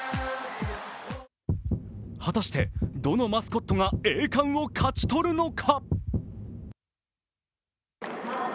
果たしてどのマスコットが栄冠を勝ち取るのか？